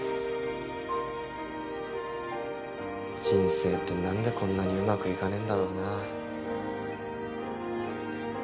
人生って何でこんなにうまくいかねえんだろうな。